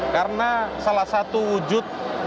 karena salah satu wujud